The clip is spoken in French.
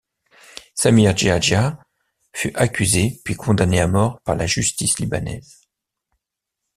Samir Geagea fut accusé puis condamné à mort par la justice libanaise.